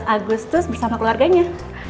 agustus bersama keluarganya